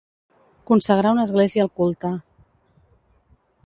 Consagrar una església al culte.